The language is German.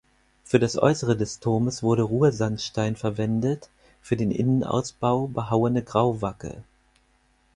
Für das Äußere des Turmes wurde Ruhrsandstein verwendet, für den Innenausbau behauene Grauwacke.